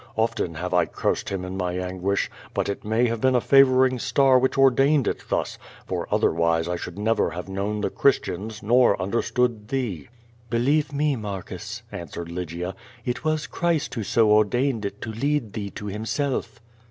Often have 1 cursed him in my anguish, but it may have been a favoring star which ordained it thus, for otherwise 1 should never have known the Christians, nor understood thee." "Believe me, ^Marcus," answered Lygia, "it was Christ who so ordained it to lead thee to Himself."